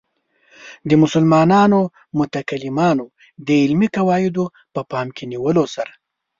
د مسلمانو متکلمانو د علمي قواعدو په پام کې نیولو سره.